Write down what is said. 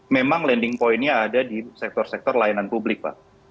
memang landing pointnya ada di sektor sektor layanan publik pak